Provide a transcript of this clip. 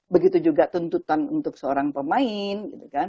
begitu juga tuntutan untuk seorang pemain